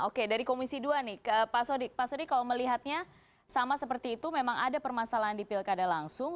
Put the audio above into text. oke dari komisi dua nih pak sodik kalau melihatnya sama seperti itu memang ada permasalahan di pilkada langsung